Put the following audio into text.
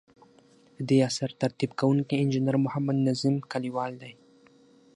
ددې اثر ترتیب کوونکی انجنیر محمد نظیم کلیوال دی.